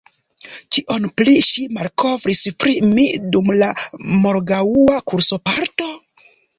Kion pli ŝi malkovris pri mi dum la morgaŭa kursoparto?